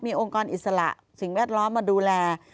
องค์กรอิสระสิ่งแวดล้อมมาดูแล